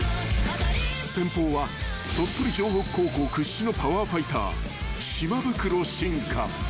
［先鋒は鳥取城北高校屈指のパワーファイター島袋心海］